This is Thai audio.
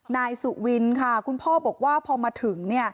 นายสุวินค่ะคุณพ่อบอกว่าพอมาถึง